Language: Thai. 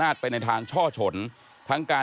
นั่นแหละสิเขายิบยกขึ้นมาไม่รู้ว่าจะแปลความหมายไว้ถึงใคร